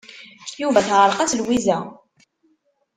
Yuba teɛreq-as Lwiza.